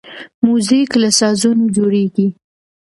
موزیک له سازونو جوړیږي.